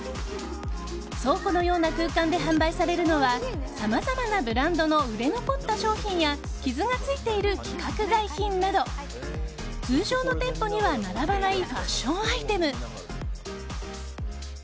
倉庫のような空間で販売されるのはさまざまなブランドの売れ残った商品や傷がついている規格外品など通常の店舗には並ばないファッションアイテム。